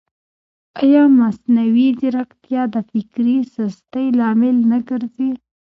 ایا مصنوعي ځیرکتیا د فکري سستۍ لامل نه ګرځي؟